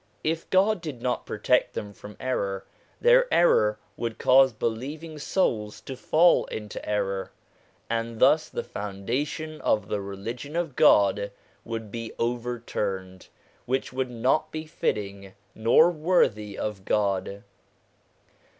If God did not protect them from error, their error would cause believing souls to fall into error, and thus the foundation of the Religion of God would be overturned, which would not be fitting nor worthy of God.